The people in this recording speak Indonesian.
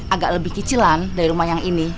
agak lebih kecilan dari rumah yang ini